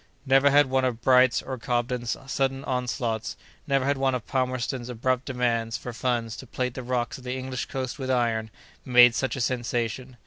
Never had one of Bright's or Cobden's sudden onslaughts, never had one of Palmerston's abrupt demands for funds to plate the rocks of the English coast with iron, made such a sensation.